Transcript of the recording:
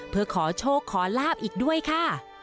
เพื่อขอโชคขอลาบอีกด้วยค่ะ